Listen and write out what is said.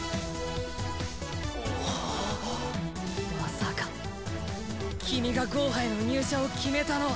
まさか君がゴーハへの入社を決めたのは。